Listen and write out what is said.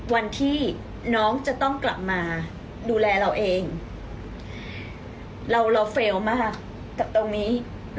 วันที่น้องจะต้องกลับมาดูแลเราเองเราเราเฟลล์มากกับตรงนี้